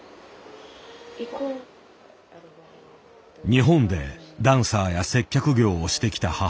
日本でダンサーや接客業をしてきた母親。